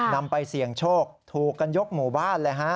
นำไปเสี่ยงโชคถูกกันยกหมู่บ้านเลยฮะ